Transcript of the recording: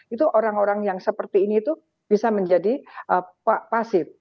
itu orang orang yang seperti ini itu bisa menjadi pasif